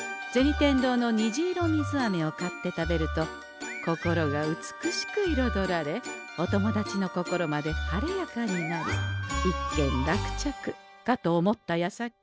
天堂の「虹色水あめ」を買って食べると心が美しくいろどられお友達の心まで晴れやかになり一件落着かと思ったやさき。